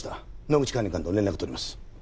野口管理官と連絡取ります。